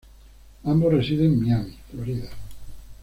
Ambos residen en Miami, Florida.